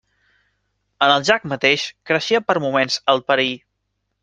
En el llac mateix creixia per moments el perill.